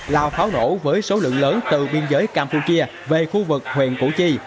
lao pháo nổ với số lượng lớn từ biên giới campuchia về khu vực huyện củ chi